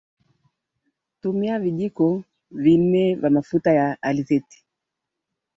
Tumia vijiko vi nne vya mafuta ya alizeti